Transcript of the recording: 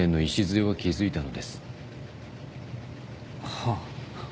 はあ。